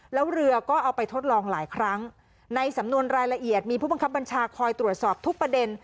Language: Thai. แล้วเรือก็เอาไปทดลองหลายครั้งในสำนวนรายละเอียดมีผู้บังคับบัญชาคอยตรวจสอบทุกประเด็น